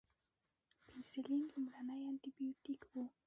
پنسلین لومړنی انټي بیوټیک و